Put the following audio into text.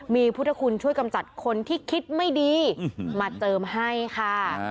มีพุทธคุณช่วยกำจัดคนที่คิดไม่ดีมาเจิมให้ค่ะ